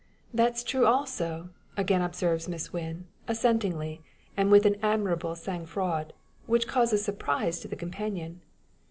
"That's true also," again observes Miss Wynn, assentingly, and with an admirable sang froid, which causes surprise to the companion.